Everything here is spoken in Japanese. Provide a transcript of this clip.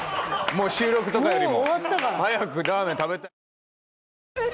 もう収録とかよりも。